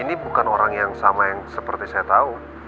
ini bukan orang yang sama yang seperti saya tahu